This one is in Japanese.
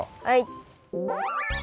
はい。